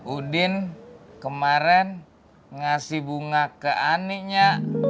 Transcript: udin kemarin ngasih bunga ke aniknya